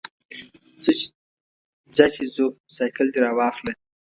ځه چې ځو، سایکل دې راواخله.